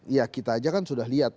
ya kita aja kan sudah lihat